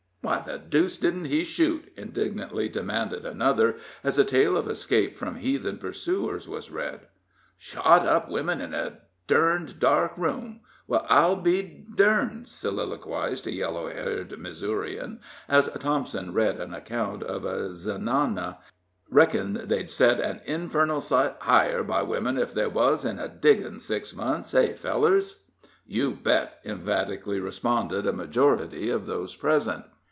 "Why the deuce didn't he shoot?" indignantly demanded another, as a tale of escape from heathen pursuers was read. "Shot up wimmen in a derned dark room! Well, I'll be durned!" soliloquized a yellow haired Missourian, as Thompson read an account of a Zenana. "Reckon they'd set an infernal sight higher by wimmen if they wuz in the diggins' six months hey, fellers?" "You bet!" emphatically responded a majority of those present.